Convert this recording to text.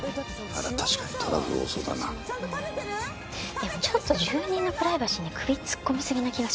でもちょっと住人のプライバシーに首突っ込みすぎな気がしません？